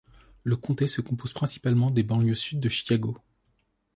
Le comté se compose principalement des banlieues sud de Chicago.